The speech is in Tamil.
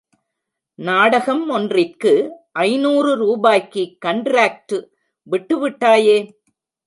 நாடகம் ஒன்றிற்கு ஐந்நூறு ரூபாய்க்கு கன்டிராக்டு விட்டு விட்டாயே!